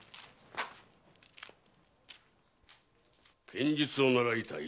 剣術を習いたい？